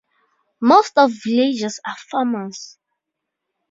Most of villagers are farmers.